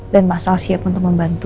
dan mas al siap untuk membantu